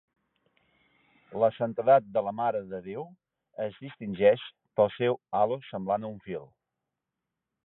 La santedat de la mare de Déu es distingeix pel seu Halo semblant a un fil.